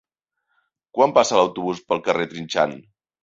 Quan passa l'autobús pel carrer Trinxant?